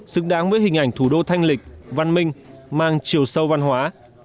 xứng đáng với hình ảnh thủ đô thanh lịch văn minh mang chiều sâu văn hóa